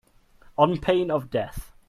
On pain of death.